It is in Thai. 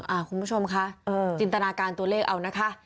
คุณผู้ชมคะจินตนาการตัวเลขเอานะคะ